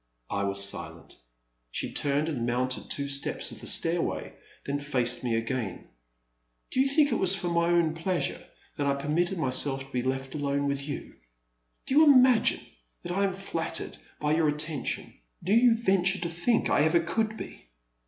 *' I was silent. She turned and mounted two steps of the stairway, then faced me again. Do you think it was for my own pleasure that I permitted myself to be left alone with you ? Do you imagine that I am flattered by your attention — do you venture to think I ever could be